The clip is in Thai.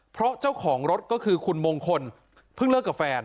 เพราะเจ้าของรถก็คือคุณมงคลเพิ่งเลิกกับแฟน